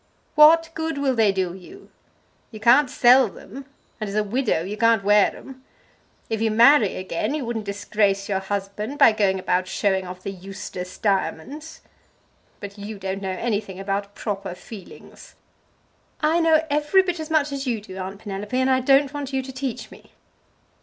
What good will they do you? You can't sell them; and as a widow you can't wear 'em. If you marry again, you wouldn't disgrace your husband by going about showing off the Eustace diamonds! But you don't know anything about 'proper feelings.'" "I know every bit as much as you do, Aunt Penelope, and I don't want you to teach me."